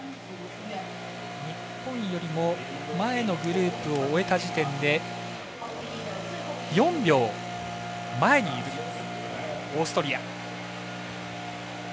日本よりも前のグループを終えた時点で４秒前にいるオーストリア。